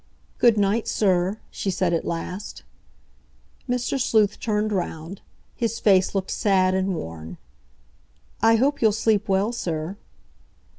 "Good night, sir," she said at last. Mr. Sleuth turned round. His face looked sad and worn. "I hope you'll sleep well, sir."